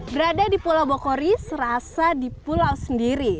berada di pulau bogori serasa di pulau sendiri